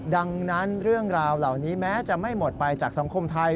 ดังนั้นเรื่องราวเหล่านี้แม้จะไม่หมดไปจากสังคมไทย